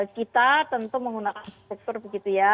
kita tentu menggunakan struktur begitu ya